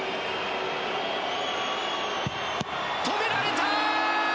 止められた！